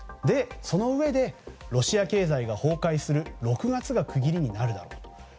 そのうえでロシア経済が崩壊する６月が区切りになるだろうと。